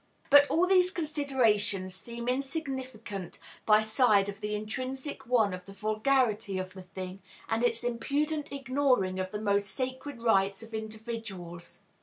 But all these considerations seem insignificant by side of the intrinsic one of the vulgarity of the thing, and its impudent ignoring of the most sacred rights of individuals.